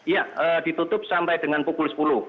ya ditutup sampai dengan pukul sepuluh